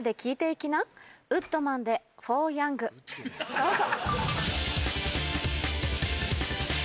どうぞ。